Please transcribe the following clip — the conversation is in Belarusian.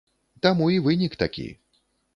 Таму і вынік такі.